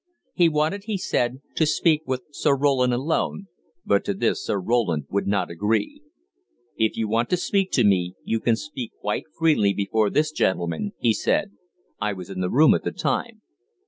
He wanted, he said, "to speak with Sir Roland alone"; but to this Sir Roland would not agree. "If you want to speak to me, you can speak quite freely before this gentleman," he said; I was in the room at the time.